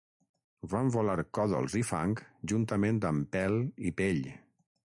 Van volar còdols i fang juntament amb pèl i pell.